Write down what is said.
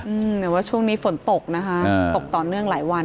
หรือว่าช่วงนี้ฝนตกนะคะอ่าตกต่อเนื่องหลายวัน